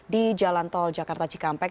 di jalan tol jakarta cikampek